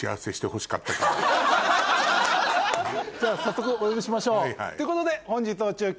じゃあ早速お呼びしましょう。ということで本日の中継